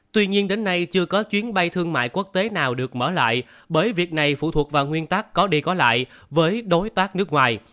tuy nhiên đến nay chưa có chuyến bay thương mại quốc tế nào được mở lại bởi việc này phụ thuộc vào nguyên tắc có đi có lại với đối tác nước ngoài